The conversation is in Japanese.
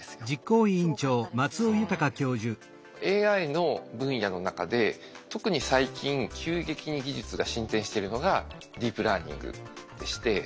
ＡＩの分野の中で特に最近急激に技術が進展してるのがディープラーニングでして。